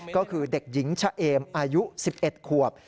ก็คือเด็กหญิงชะเอมอายุ๑๑ขวบ